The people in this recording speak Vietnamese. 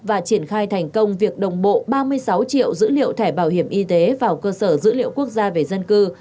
và triển khai thành công việc đồng bộ ba mươi sáu triệu dữ liệu thẻ bảo hiểm y tế vào cơ sở dữ liệu quốc gia về dân cư